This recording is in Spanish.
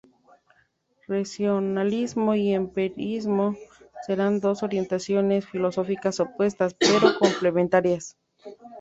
Racionalismo y Empirismo serán dos orientaciones filosóficas opuestas, pero complementarias.